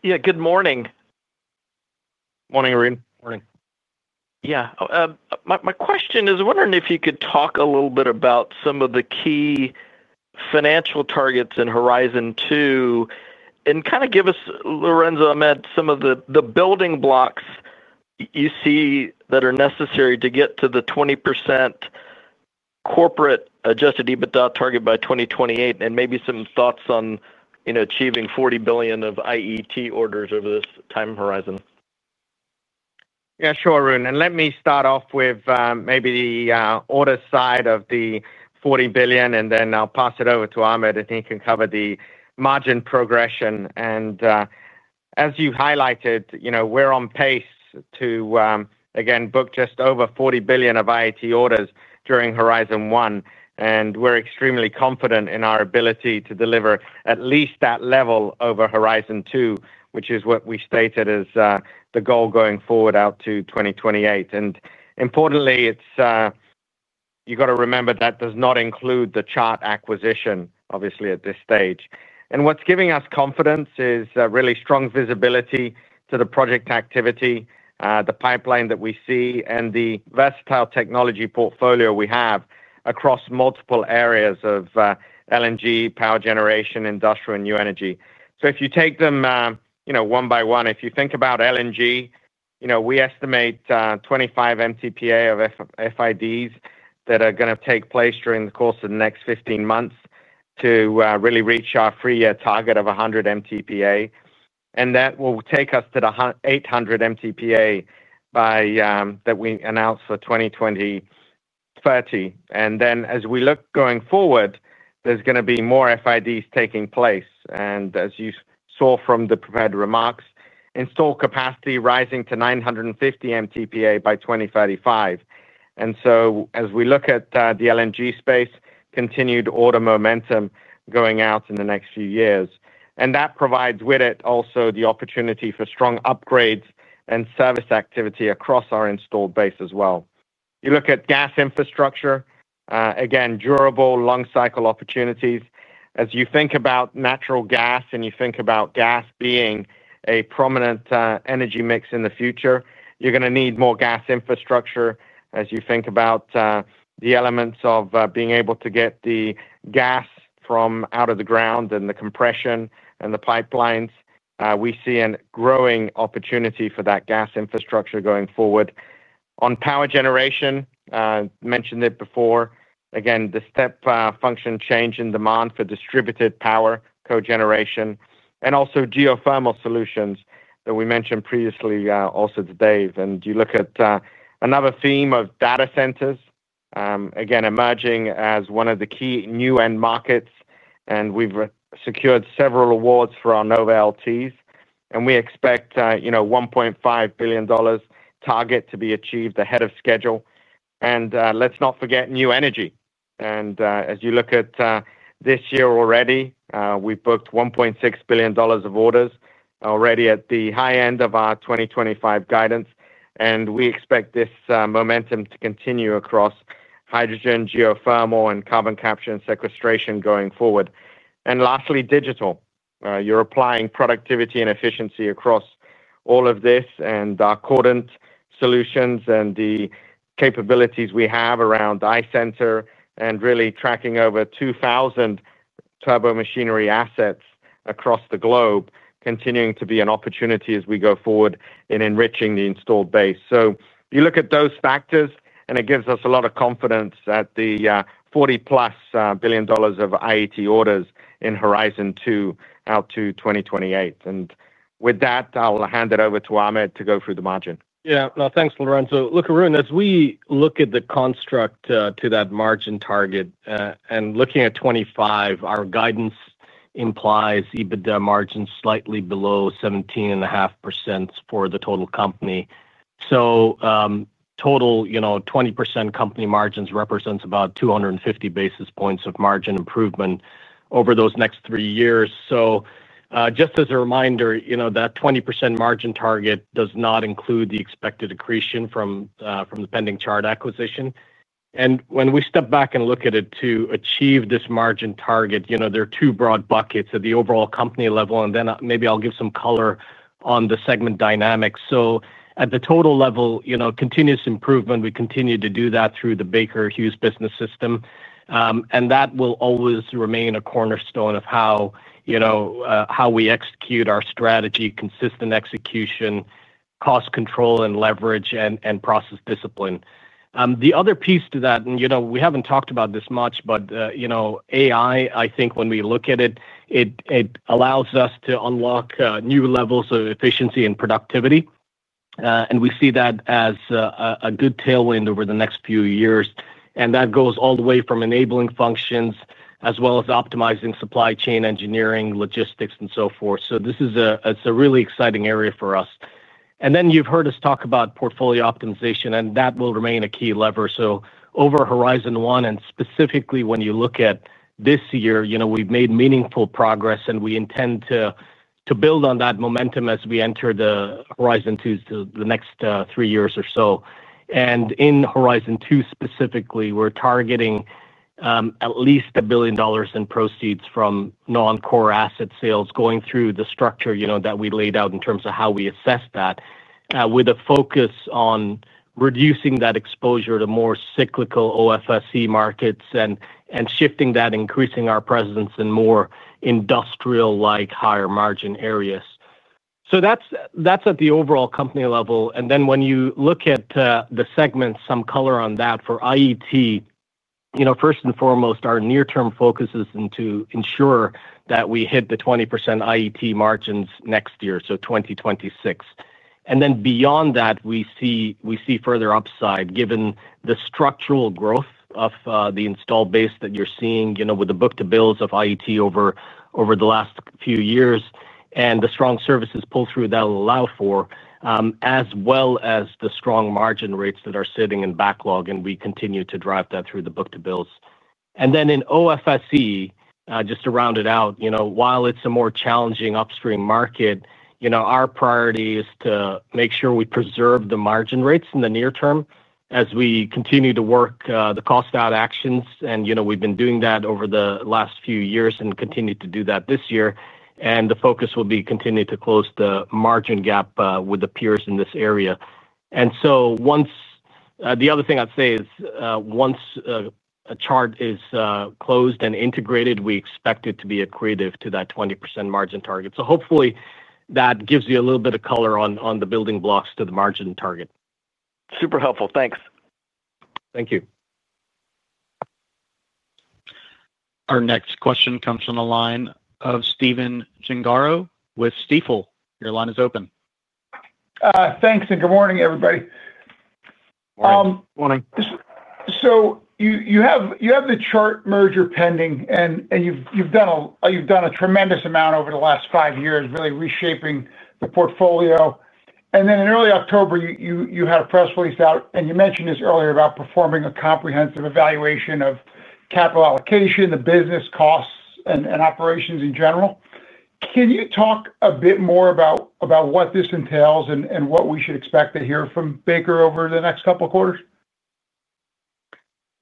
Yeah, good morning. Morning, Arun. Morning. Yeah, my question is, I'm wondering if you could talk a little bit about some of the key financial targets in Horizon 2 and kind of give us, Lorenzo, I meant some of the building blocks you see that are necessary to get to the 20% corporate adjusted EBITDA target by 2028 and maybe some thoughts on achieving $40 billion of IET orders over this time horizon. Yeah, sure, Arun. Let me start off with maybe the order side of the $40 billion, and then I'll pass it over to Ahmed. I think you can cover the margin progression. As you highlighted, we're on pace to, again, book just over $40 billion of IET orders during Horizon 1. We're extremely confident in our ability to deliver at least that level over Horizon 2, which is what we stated as the goal going forward out to 2028. Importantly, you've got to remember that does not include the Chart Industries acquisition, obviously, at this stage. What's giving us confidence is really strong visibility to the project activity, the pipeline that we see, and the versatile technology portfolio we have across multiple areas of LNG, power generation, industrial, and new energy. If you take them one by one, if you think about LNG, we estimate 25 MTPA of FIDs that are going to take place during the course of the next 15 months to really reach our three-year target of 100 MTPA. That will take us to the 800 MTPA that we announced for 2030. As we look going forward, there's going to be more FIDs taking place. As you saw from the prepared remarks, installed capacity rising to 950 MTPA by 2035. As we look at the LNG space, continued order momentum going out in the next few years provides with it also the opportunity for strong upgrades and service activity across our installed base as well. You look at gas infrastructure, again, durable long-cycle opportunities. As you think about natural gas and you think about gas being a prominent energy mix in the future, you're going to need more gas infrastructure. As you think about the elements of being able to get the gas from out of the ground and the compression and the pipelines, we see a growing opportunity for that gas infrastructure going forward. On power generation, I mentioned it before, again, the step function change in demand for distributed power co-generation, and also geothermal solutions that we mentioned previously also to Dave. You look at another theme of data centers, again, emerging as one of the key new end markets. We've secured several awards for our Nova LT turbine technology. We expect a $1.5 billion target to be achieved ahead of schedule. Let's not forget new energy. As you look at this year already, we've booked $1.6 billion of orders already at the high end of our 2025 guidance. We expect this momentum to continue across hydrogen, geothermal, and carbon capture and sequestration going forward. Lastly, digital. You're applying productivity and efficiency across all of this, and our Quorum Solutions and the capabilities we have around iCenter and really tracking over 2,000 turbomachinery assets across the globe continue to be an opportunity as we go forward in enriching the installed base. You look at those factors, and it gives us a lot of confidence at the $40+ billion of IET orders in Horizon 2 out to 2028. With that, I'll hand it over to Ahmed to go through the margin. Yeah, no, thanks, Lorenzo. Look, Arun, as we look at the construct to that margin target and looking at 2025, our guidance implies EBITDA margins slightly below 17.5% for the total company. Total 20% company margins represent about 250 basis points of margin improvement over those next three years. Just as a reminder, that 20% margin target does not include the expected accretion from the pending Chart Industries acquisition. When we step back and look at it, to achieve this margin target, there are two broad buckets at the overall company level. Maybe I'll give some color on the segment dynamics. At the total level, continuous improvement, we continue to do that through the Baker Hughes business system. That will always remain a cornerstone of how we execute our strategy: consistent execution, cost control and leverage, and process discipline. The other piece to that, and we haven't talked about this much, but AI, I think when we look at it, it allows us to unlock new levels of efficiency and productivity. We see that as a good tailwind over the next few years. That goes all the way from enabling functions as well as optimizing supply chain, engineering, logistics, and so forth. This is a really exciting area for us. You've heard us talk about portfolio optimization, and that will remain a key lever. Over Horizon 1, and specifically when you look at this year, we've made meaningful progress, and we intend to build on that momentum as we enter Horizon 2, the next three years or so. In Horizon 2 specifically, we're targeting at least $1 billion in proceeds from non-core asset sales going through the structure that we laid out in terms of how we assess that, with a focus on reducing that exposure to more cyclical OFSE markets and shifting that, increasing our presence in more industrial-like higher margin areas. That's at the overall company level. When you look at the segments, some color on that for IET. First and foremost, our near-term focus is to ensure that we hit the 20% IET margins next year, so 2026. Beyond that, we see further upside given the structural growth of the installed base that you're seeing with the book-to-bills of IET over the last few years and the strong services pull-through that allow for, as well as the strong margin rates that are sitting in backlog, and we continue to drive that through the book-to-bills. In OFSE, just to round it out, while it's a more challenging upstream market, our priority is to make sure we preserve the margin rates in the near term as we continue to work the cost-out actions. We've been doing that over the last few years and continue to do that this year. The focus will be continuing to close the margin gap with the peers in this area. Once Chart is closed and integrated, we expect it to be accretive to that 20% margin target. Hopefully, that gives you a little bit of color on the building blocks to the margin target. Super helpful. Thanks. Thank you. Our next question comes from the line of Stephen Gengaro with Stifel. Your line is open. Thanks, and good morning, everybody. Morning. Morning. You have the Chart merger pending, and you've done a tremendous amount over the last five years, really reshaping the portfolio. In early October, you had a press release out, and you mentioned this earlier about performing a comprehensive evaluation of capital allocation, the business costs, and operations in general. Can you talk a bit more about what this entails and what we should expect to hear from Baker Hughes Company over the next couple of quarters?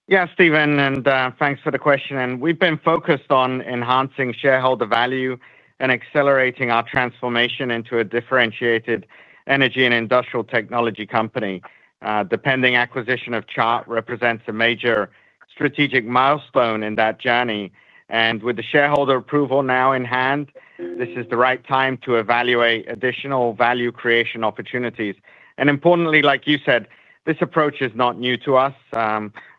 Yeah, Steven, thanks for the question. We've been focused on enhancing shareholder value and accelerating our transformation into a differentiated energy and industrial technology company. The pending acquisition of Chart Industries represents a major strategic milestone in that journey. With the shareholder approval now in hand, this is the right time to evaluate additional value creation opportunities. Importantly, like you said, this approach is not new to us.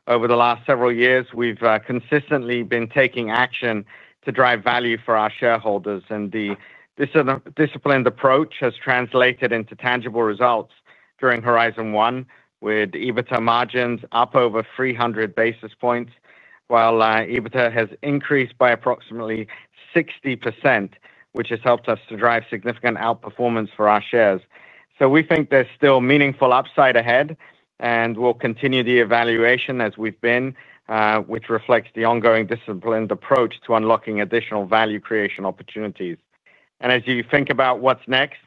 Over the last several years, we've consistently been taking action to drive value for our shareholders. This disciplined approach has translated into tangible results during Horizon 1, with EBITDA margins up over 300 basis points, while EBITDA has increased by approximately 60%, which has helped us to drive significant outperformance for our shares. We think there's still meaningful upside ahead, and we'll continue the evaluation as we've been, which reflects the ongoing disciplined approach to unlocking additional value creation opportunities. As you think about what's next,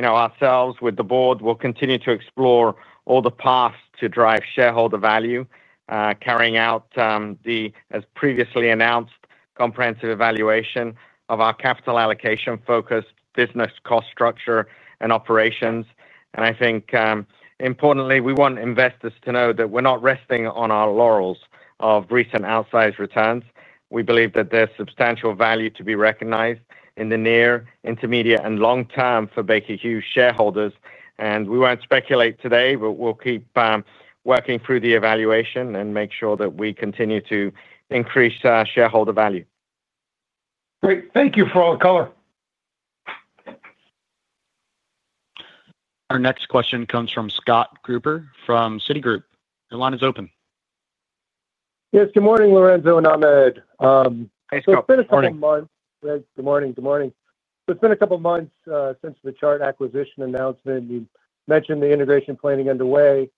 ourselves with the board, we'll continue to explore all the paths to drive shareholder value, carrying out the, as previously announced, comprehensive evaluation of our capital allocation focus, business cost structure, and operations. Importantly, we want investors to know that we're not resting on our laurels of recent outsized returns. We believe that there's substantial value to be recognized in the near, intermediate, and long term for Baker Hughes Company shareholders. We won't speculate today, but we'll keep working through the evaluation and make sure that we continue to increase our shareholder value. Great. Thank you for all the color. Our next question comes from Scott Gruber from Citigroup. Your line is open. Yes, good morning, Lorenzo and Ahmed. Hi, Scott. It's been a couple of months. Hi, Scott. Good morning. It's been a couple of months since the Chart Industries acquisition announcement. You mentioned the integration planning underway.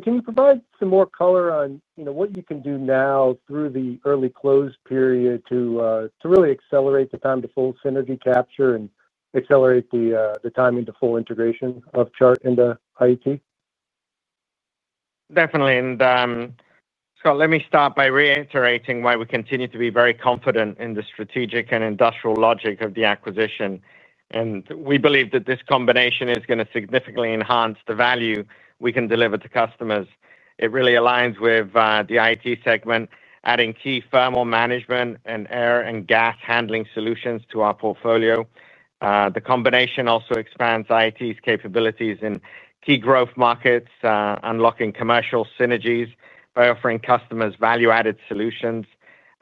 Can you provide some more color on what you can do now through the early close period to really accelerate the time to full synergy capture and accelerate the time into full integration of Chart Industries into IET? Definitely. Scott, let me start by reiterating why we continue to be very confident in the strategic and industrial logic of the acquisition. We believe that this combination is going to significantly enhance the value we can deliver to customers. It really aligns with the IET segment, adding key thermal management and air and gas handling solutions to our portfolio. The combination also expands IET's capabilities in key growth markets, unlocking commercial synergies by offering customers value-added solutions.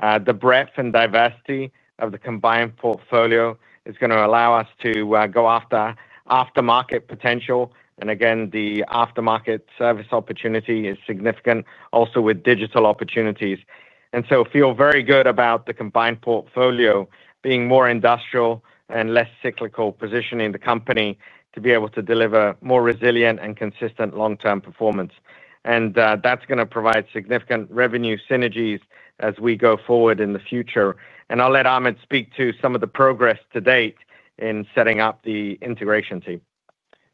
The breadth and diversity of the combined portfolio is going to allow us to go after aftermarket potential. The aftermarket service opportunity is significant, also with digital opportunities. I feel very good about the combined portfolio being more industrial and less cyclical, positioning the company to be able to deliver more resilient and consistent long-term performance. That is going to provide significant revenue synergies as we go forward in the future. I'll let Ahmed speak to some of the progress to date in setting up the integration team.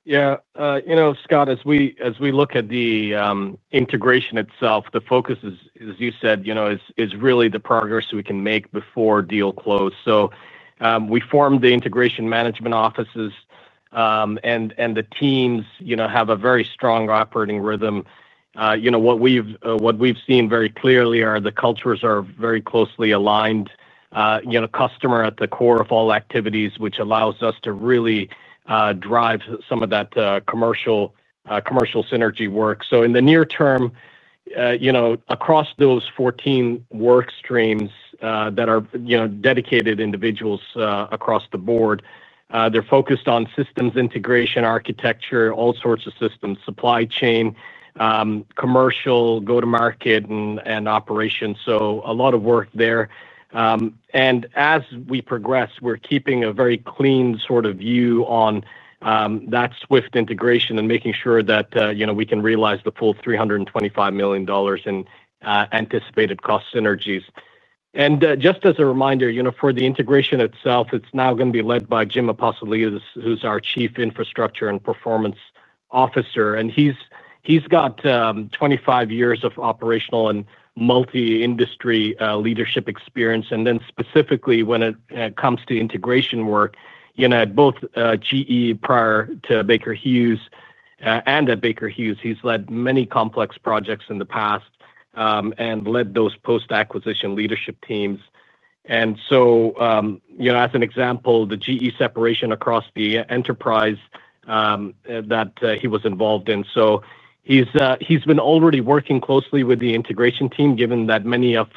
Yeah, you know, Scott, as we look at the integration itself, the focus, as you said, is really the progress we can make before deal close. We formed the integration management offices, and the teams have a very strong operating rhythm. What we've seen very clearly is the cultures are very closely aligned. Customer at the core of all activities, which allows us to really drive some of that commercial synergy work. In the near term, across those 14 work streams that are dedicated individuals across the board, they're focused on systems integration, architecture, all sorts of systems, supply chain, commercial, go-to-market, and operations. A lot of work there. As we progress, we're keeping a very clean sort of view on that swift integration and making sure that we can realize the full $325 million in anticipated cost synergies. Just as a reminder, for the integration itself, it's now going to be led by Jim Apostolides, who's our Chief Infrastructure and Performance Officer. He's got 25 years of operational and multi-industry leadership experience. Specifically, when it comes to integration work, at both GE prior to Baker Hughes and at Baker Hughes, he's led many complex projects in the past and led those post-acquisition leadership teams. As an example, the GE separation across the enterprise that he was involved in. He's been already working closely with the integration team, given that many of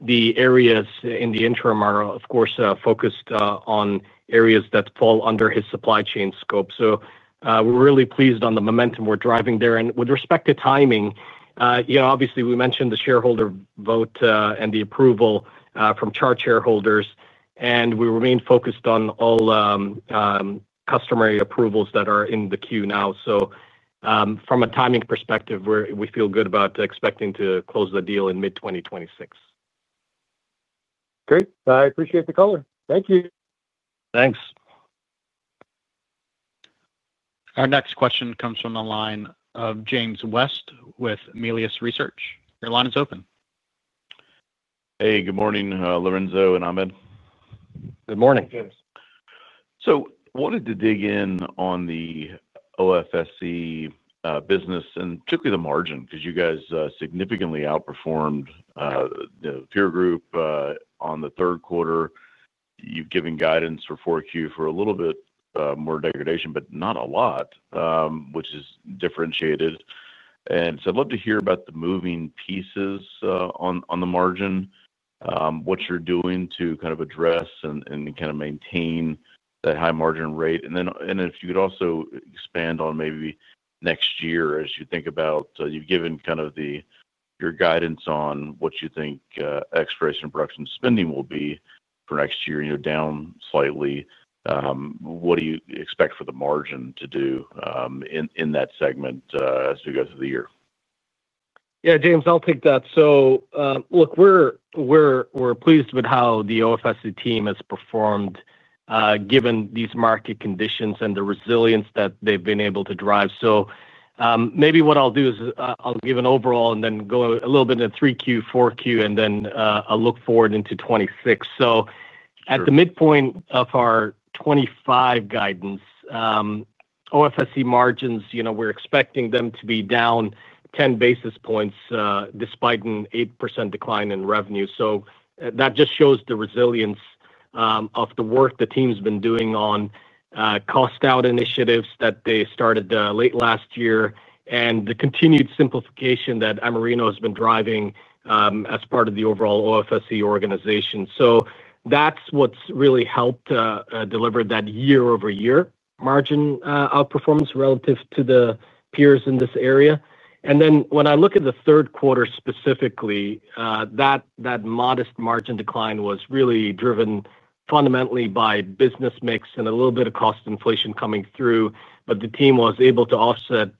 the areas in the interim are, of course, focused on areas that fall under his supply chain scope. We're really pleased on the momentum we're driving there. With respect to timing, you know, obviously, we mentioned the shareholder vote and the approval from Chart shareholders. We remain focused on all customary approvals that are in the queue now. From a timing perspective, we feel good about expecting to close the deal in mid-2026. Great. I appreciate the color. Thank you. Thanks. Our next question comes from the line of James West with Melius Research. Your line is open. Hey, good morning, Lorenzo and Ahmed. Good morning. James. I wanted to dig in on the OFSE business and particularly the margin because you guys significantly outperformed the peer group in the third quarter. You've given guidance for 4Q for a little bit more degradation, but not a lot, which is differentiated. I'd love to hear about the moving pieces on the margin, what you're doing to address and maintain that high margin rate. If you could also expand on maybe next year as you think about it, you've given your guidance on what you think exploration production spending will be for next year, down slightly. What do you expect for the margin to do in that segment as we go through the year? Yeah, James, I'll take that. Look, we're pleased with how the OFSE team has performed given these market conditions and the resilience that they've been able to drive. Maybe what I'll do is I'll give an overall and then go a little bit into 3Q, 4Q, and then I'll look forward into 2026. At the midpoint of our 2025 guidance, OFSE margins, you know, we're expecting them to be down 10 basis points despite an 8% decline in revenue. That just shows the resilience of the work the team's been doing on cost-out initiatives that they started late last year and the continued simplification that Amerino has been driving as part of the overall OFSE organization. That's what's really helped deliver that year-over-year margin outperformance relative to the peers in this area. When I look at the third quarter specifically, that modest margin decline was really driven fundamentally by business mix and a little bit of cost inflation coming through. The team was able to offset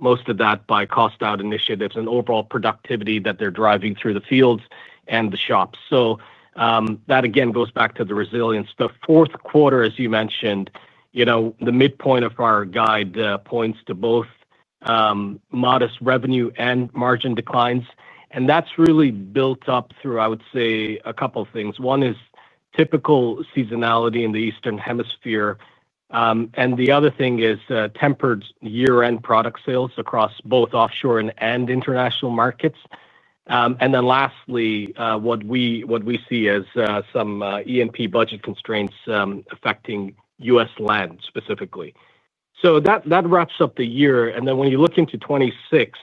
most of that by cost-out initiatives and overall productivity that they're driving through the fields and the shops. That, again, goes back to the resilience. The fourth quarter, as you mentioned, the midpoint of our guide points to both modest revenue and margin declines. That's really built up through, I would say, a couple of things. One is typical seasonality in the Eastern Hemisphere. The other thing is tempered year-end product sales across both offshore and international markets. Lastly, what we see as some E&P budget constraints affecting U.S. land specifically. That wraps up the year. When you look into 2026,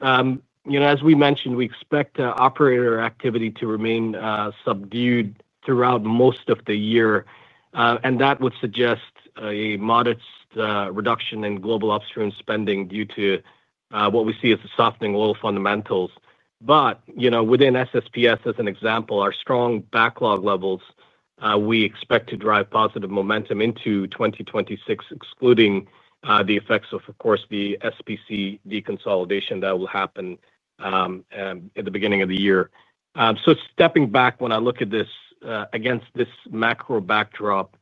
you know, as we mentioned, we expect operator activity to remain subdued throughout most of the year. That would suggest a modest reduction in global upstream spending due to what we see as a softening oil fundamentals. Within SSPS, as an example, our strong backlog levels, we expect to drive positive momentum into 2026, excluding the effects of, of course, the SPC deconsolidation that will happen at the beginning of the year. Stepping back, when I look at this against this macro backdrop,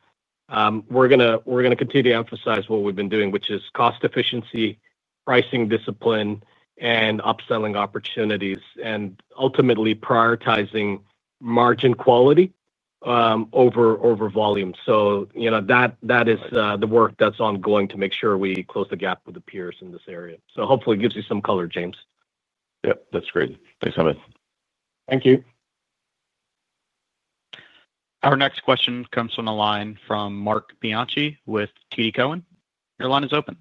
we're going to continue to emphasize what we've been doing, which is cost efficiency, pricing discipline, and upselling opportunities and ultimately prioritizing margin quality over volume. That is the work that's ongoing to make sure we close the gap with the peers in this area. Hopefully, it gives you some color, James. Yep, that's great. Thanks, Ahmed. Thank you. Our next question comes from the line of Marc Bianchi with TD Cowen. Your line is open.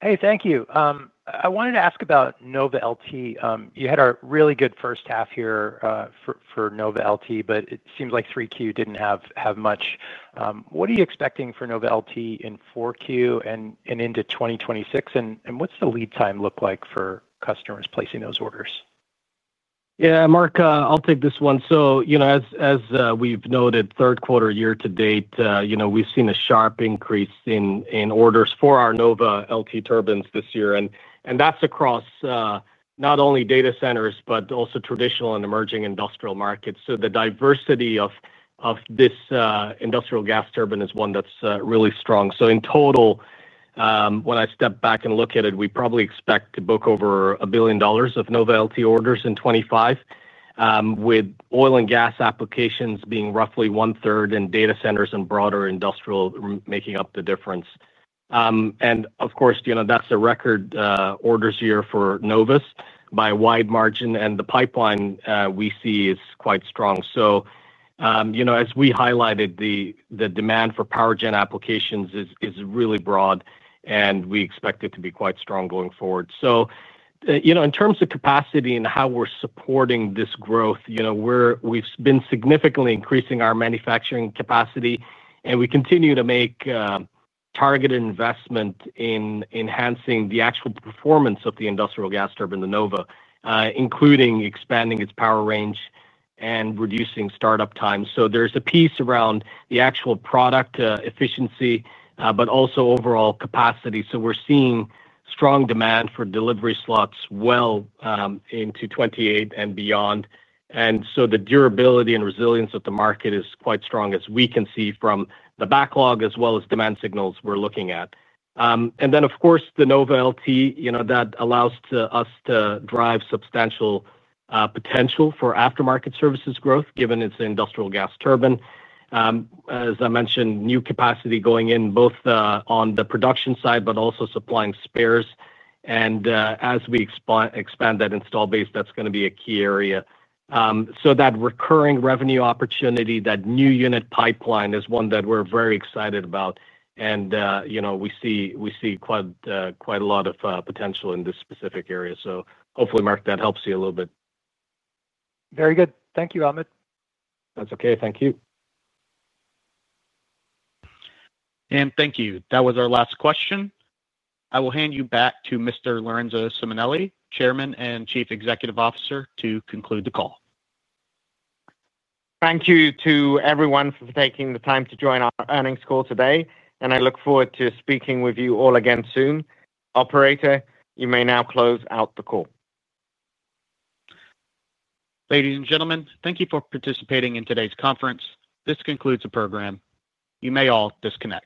Hey, thank you. I wanted to ask about Nova LT. You had a really good first half here for Nova LT, but it seems like 3Q didn't have much. What are you expecting for Nova LT in 4Q and into 2026? What's the lead time look like for customers placing those orders? Yeah, Mark, I'll take this one. As we've noted, third quarter year to date, we've seen a sharp increase in orders for our Nova LT turbines this year. That's across not only data centers, but also traditional and emerging industrial markets. The diversity of this industrial gas turbine is one that's really strong. In total, when I step back and look at it, we probably expect to book over $1 billion of Nova LT orders in 2025, with oil and gas applications being roughly one-third and data centers and broader industrial making up the difference. Of course, that's a record orders year for Novas by a wide margin. The pipeline we see is quite strong. As we highlighted, the demand for power gen applications is really broad, and we expect it to be quite strong going forward. In terms of capacity and how we're supporting this growth, we've been significantly increasing our manufacturing capacity, and we continue to make targeted investment in enhancing the actual performance of the industrial gas turbine, the Nova, including expanding its power range and reducing startup time. There's a piece around the actual product efficiency, but also overall capacity. We're seeing strong demand for delivery slots well into 2028 and beyond. The durability and resilience of the market is quite strong, as we can see from the backlog as well as demand signals we're looking at. The Nova LT allows us to drive substantial potential for aftermarket services growth, given it's an industrial gas turbine. As I mentioned, new capacity going in both on the production side, but also supplying spares. As we expand that install base, that's going to be a key area. That recurring revenue opportunity, that new unit pipeline is one that we're very excited about. We see quite a lot of potential in this specific area. Hopefully, Mark, that helps you a little bit. Very good. Thank you, Ahmed. That's okay. Thank you. Thank you. That was our last question. I will hand you back to Mr. Lorenzo Simonelli, Chairman and Chief Executive Officer, to conclude the call. Thank you to everyone for taking the time to join our earnings call today. I look forward to speaking with you all again soon. Operator, you may now close out the call. Ladies and gentlemen, thank you for participating in today's conference. This concludes the program. You may all disconnect.